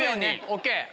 ＯＫ！